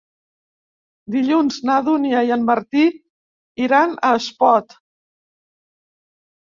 Dilluns na Dúnia i en Martí iran a Espot.